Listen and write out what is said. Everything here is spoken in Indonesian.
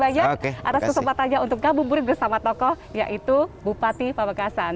atas kesempatannya untuk ngamu burin bersama tokoh yaitu bupati pamekasan